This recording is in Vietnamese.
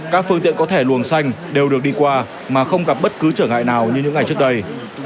các phương tiện có thẻ luồng xanh đều được đi qua mà không gặp bất cứ trở ngại nào như những ngày trước đây